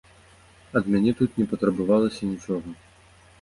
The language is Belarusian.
Ад мяне тут не патрабавалася нічога.